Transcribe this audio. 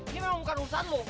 ini memang bukan urusan lo